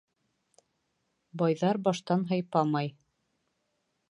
Байҙар баштан һыйпамай.